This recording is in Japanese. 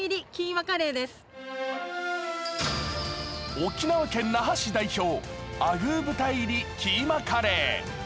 沖縄県那覇市代表、アグー豚入りキーマカレー。